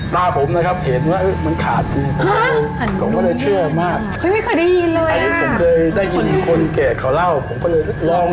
จริงก็เป็นเครื่องยึดเหนียวจิตใจทักอย่างหนึ่ง